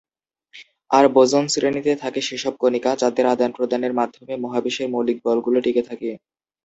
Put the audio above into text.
আর boson শ্রেণীতে থাকে সেসব কণিকা, যাদের আদান প্রদানের মাধ্যমে মহাবিশ্বের মৌলিক বলগুলো টিকে থাকে।